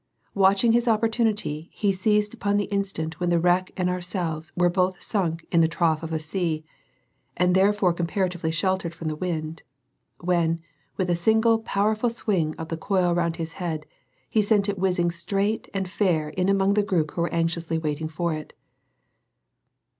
Watching his opportunity, he seized upon the instant when the wreck and ourselves were both sunk in the trough of a sea, and therefore comparatively sheltered from the wind, when, with a single powerful swing of the coil round his head, he sent it whizzing straight and fair in among the group who were anxiously waiting for it.